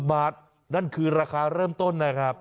บาทนั่นคือราคาเริ่มต้นนะครับ